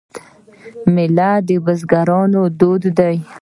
میله د بزګرانو دود دی.